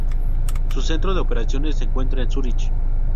Su centro de operaciones se encuentra en Zúrich.